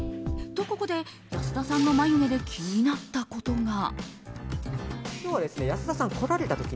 と、ここで安田さんの眉毛で気になったことが。